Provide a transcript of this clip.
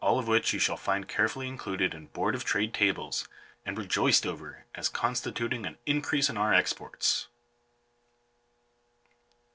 363 of which you shall find carefully included in Board of Trade Tables, and rejoiced over as constituting an increase in our exports.